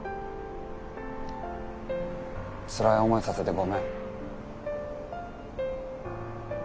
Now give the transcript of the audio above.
つらい思いさせてごめん。